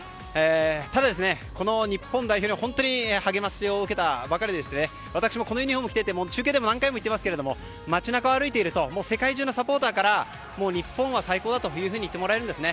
ただ、この日本代表は本当に励ましを受けてばかりで私もこのユニホーム着ていて中継でも何回も言っていますけれども街中を歩いていると世界中のサポーターから日本は最高だと言ってもらえるんですね。